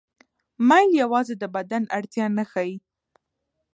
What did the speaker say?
میل یوازې د بدن اړتیا نه ښيي.